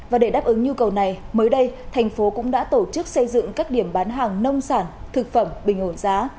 và để đáp ứng nhu cầu này mới đây thành phố cũng đã tổ chức xây dựng các điểm bán hàng nông sản thực phẩm bình ổn giá